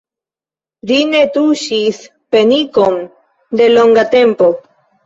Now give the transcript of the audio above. Ri ne tuŝis penikon de longa tempo.